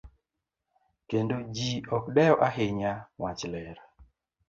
Kendo ji ok dew ahinya wach ler.